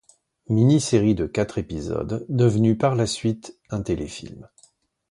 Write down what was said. Mini-série de quatre épisodes devenue par la suite un téléfilm.